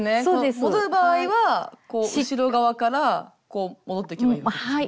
戻る場合は後ろ側から戻ってけばいいわけですね。